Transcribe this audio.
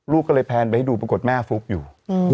ลูกก็เลยแพนไปให้ดูปรากฏแม่ฟุบอยู่